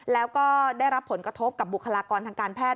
แล้วก็ได้รับผลกระทบกับบุคลากรทางการแพท